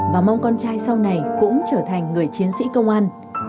và mong con trai sau này cũng trở thành người chiến sĩ công an